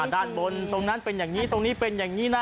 ด้านบนตรงนั้นเป็นอย่างนี้ตรงนี้เป็นอย่างนี้นะ